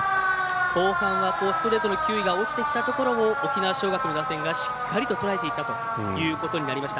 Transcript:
後半はストレートの球威が落ちてきたところを沖縄尚学の打線がしっかりととらえていったということになりました。